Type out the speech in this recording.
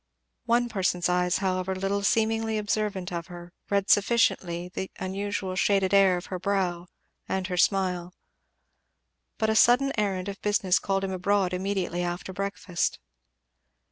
One person's eyes, however little seemingly observant of her, read sufficiently well the unusual shaded air of her brow and her smile. But a sudden errand of business called him abroad immediately after breakfast.